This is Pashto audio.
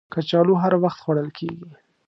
کچالو هر وخت خوړل کېږي